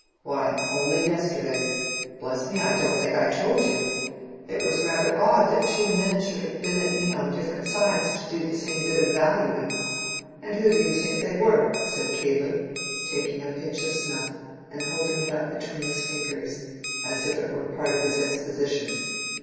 Why, only yesterday—bless me, I don't think I told you!—it was rather odd that two men should have been at me on different sides to do the same bit of valuing. And who do you think they were?" said Caleb, taking a pinch of snuff and holding it up between his fingers, as if it were a part of his exposition.